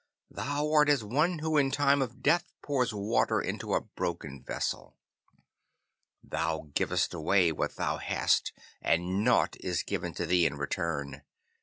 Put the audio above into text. Thou art as one who in time of death pours water into a broken vessel. Thou givest away what thou hast, and nought is given to thee in return.